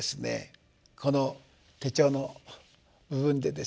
この手帳の部分でですね